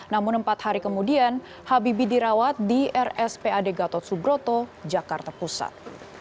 namun empat hari kemudian habibie dirawat di rspad gatot subroto jakarta pusat